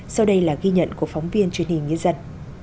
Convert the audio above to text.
sau đây là ghi nhận của phóng viên truyền hình nhân dân